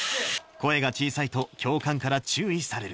声が小さいと教官から注意される。